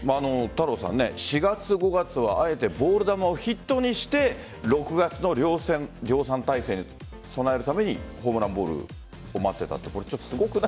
４月、５月はあえてボール球をヒットにして６月の量産体制に備えるためにホームランボールを待っていたと。